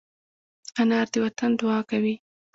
انا د وطن دعا کوي